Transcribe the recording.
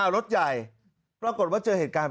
รถใหญ่ใช่ไหมครับ